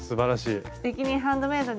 「すてきにハンドメイド」で習ったんだ！